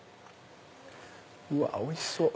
うわおいしそう！